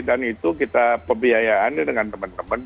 dan itu kita pembiayaannya dengan teman teman